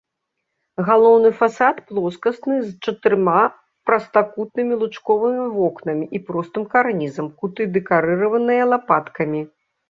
Галоўны фасад плоскасны з чатырма прастакутнымі лучковымі вокнамі і простым карнізам, куты дэкарыраваныя лапаткамі.